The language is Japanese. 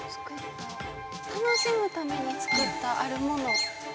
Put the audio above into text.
◆楽しむためにつくったあるもの。